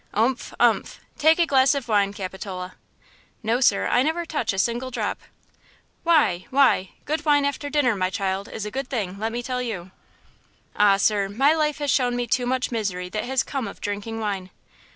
"Umph! umph! Take a glass of wine, Capitola." "No, sir; I never touch a single drop." "Why? Why? Good wine after dinner, my child, is a good thing, let me tell you." "Ah, sir, my life has shown me too much misery that has come of drinking wine."